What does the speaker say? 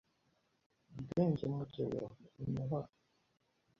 ubwengemugeyo, emehoro,